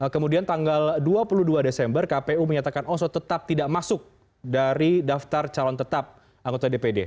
kemudian tanggal dua puluh dua desember kpu menyatakan oso tetap tidak masuk dari daftar calon tetap anggota dpd